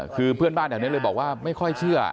คือเพื่อนบ้านแถวนี้เลยบอกว่าไม่ค่อยเชื่อ